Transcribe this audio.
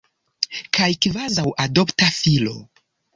Kaj kvazaŭ adopta filo.